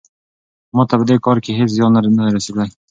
ما ته په دې کار کې هیڅ زیان نه دی رسیدلی.